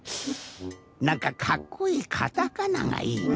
なんかかっこいいカタカナがいいな。